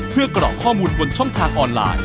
เพื่อกรอกข้อมูลบนช่องทางออนไลน์